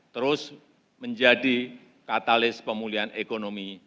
terus menjadi katalis pemulihan ekonomi